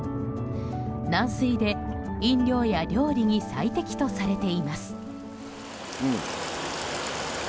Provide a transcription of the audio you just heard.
軟水で、飲料や料理に最適とされています。